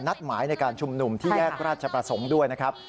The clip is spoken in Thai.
นัดหมายในการชุมนุมที่แยกราชประสงค์ด้วยนะครับ